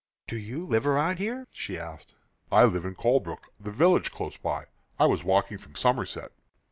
"Do you live round here?" she asked. "I live in Colebrook, the village close by. I was walking from Somerset."